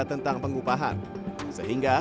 tentang pengupahan sehingga